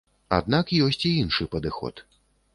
Аднак ёсць і іншы падыход.